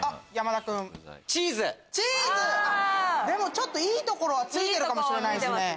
ちょっといいところは突いてるかもしれないですね。